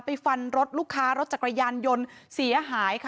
ฟันรถลูกค้ารถจักรยานยนต์เสียหายค่ะ